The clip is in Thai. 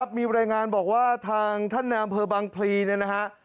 ครับมีรายงานบอกว่าทางท่านนามเผอร์บังพลีเนี่ยนะฮะ